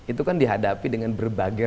itu kan dihadapi dengan berbagai